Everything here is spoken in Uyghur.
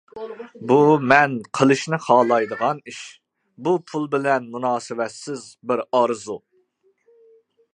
بۇ مەن قىلىشنى خالايدىغان ئىش، بۇ پۇل بىلەن مۇناسىۋەتسىز بىر ئارزۇ.